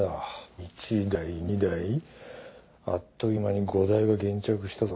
１台２台あっという間に５台が現着したぞ。